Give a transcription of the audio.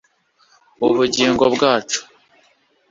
Ubugingo bwacu